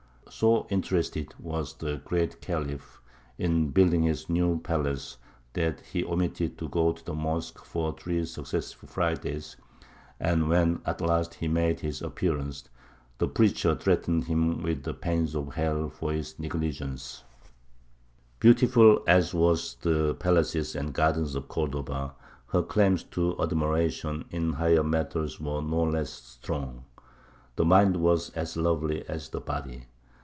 So interested was the Great Khalif in building his new palace that he omitted to go to the mosque for three successive Fridays; and when at last he made his appearance, the preacher threatened him with the pains of hell for his negligence. [Illustration: HISPANO MORESCO VASE. (Preserved at Granada.)] Beautiful as were the palaces and gardens of Cordova, her claims to admiration in higher matters were no less strong. The mind was as lovely as the body.